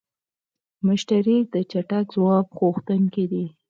مشتری د چټک ځواب غوښتونکی دی.